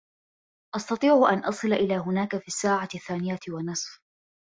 أستطيع أن أصل إلى هناك في الساعة الثانية ونصف.